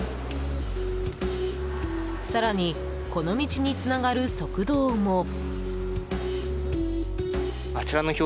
更に、この道につながる側道も。